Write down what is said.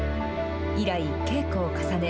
以来、稽古を重ね